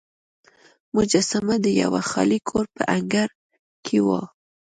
مجسمه د یوه خالي کور په انګړ کې وه.